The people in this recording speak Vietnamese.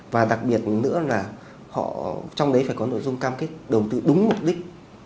và đặc biệt nữa là họ trong đấy phải có nội dung cam kết đầu tư đúng mục đích